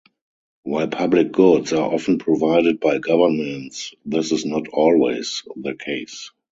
While public goods are often provided by governments, this is not always the case.